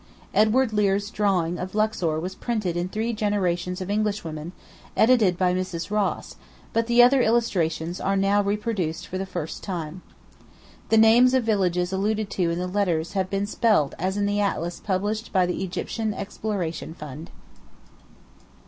Edward Lear's drawing of Luxor was printed in 'Three Generations of Englishwomen,' edited by Mrs. Ross, but the other illustrations are now reproduced for the first time. The names of villages alluded to in the 'Letters' have been spelt as in the Atlas published by the Egyptian Exploration Fund.